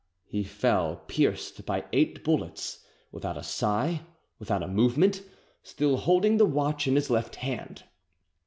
he fell pierced by eight bullets, without a sigh, without a movement, still holding the watch in his left hand.